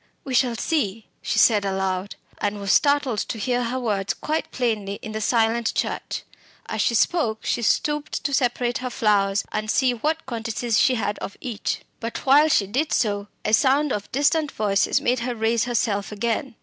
We shall see!" she said aloud, and was startled to hear her words quite plainly in the silent church. As she spoke she stooped to separate her flowers and see what quantities she had of each. But while she did so a sound of distant voices made her raise herself again.